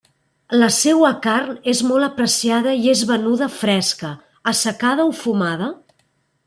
La seua carn és molt apreciada i és venuda fresca, assecada o fumada.